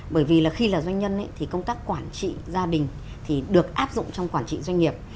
bởi vì là khi là doanh nhân thì công tác quản trị gia đình thì được áp dụng trong quản trị doanh nghiệp